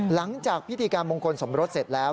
หลังจากพิธีการมงคลสมรสเสร็จแล้ว